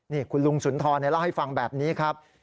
นี่คุณลุงสุนทรเล่าให้ฟังแบบนี้ครับ